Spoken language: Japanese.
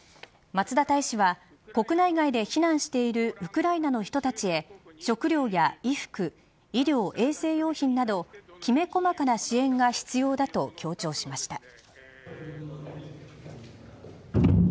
松田大使は国内外で避難しているウクライナの人たちへ食料や衣服医療・衛生用品などきめ細かな支援が必要だと強調しました。